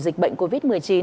dịch bệnh covid một mươi chín